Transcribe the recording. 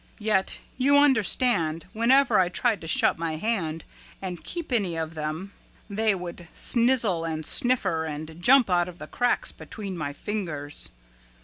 Yet, you understand, whenever I tried to shut my hand and keep any of them they would snizzle and sniffer and jump out of the cracks between my fingers.